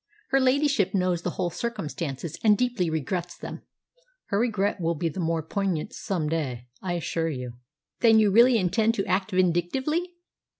Her ladyship knows the whole circumstances, and deeply regrets them." "Her regret will be the more poignant some day, I assure you." "Then you really intend to act vindictively?"